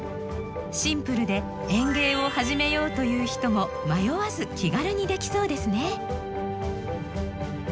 シンプルで園芸を始めようという人も迷わず気軽にできそうですね。